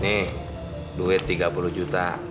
ini duit tiga puluh juta